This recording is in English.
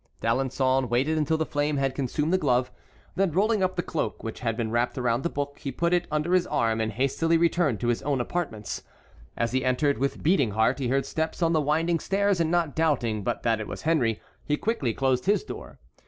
D'Alençon waited until the flame had consumed the glove, then rolling up the cloak which had been wrapped around the book, he put it under his arm, and hastily returned to his own apartments. As he entered with beating heart, he heard steps on the winding stairs, and not doubting but that it was Henry he quickly closed his door.